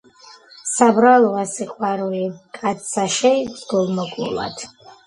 საბრალოა სიყვარული, კაცსა შეიქმს გულ-მოკლულად.